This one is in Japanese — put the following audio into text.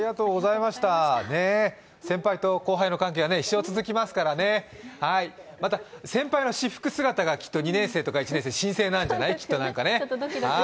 先輩と後輩の関係は一生続きますからね、先輩の私服姿がきっと、２年生とか１年生、新鮮なんじゃない。